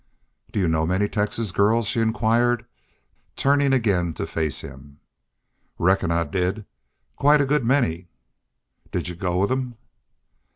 "Did y'u know many Texas girls?" she inquired, turning again to face him. "Reckon I did quite a good many." "Did y'u go with them?"